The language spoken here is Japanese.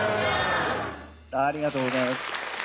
ありがとうございます。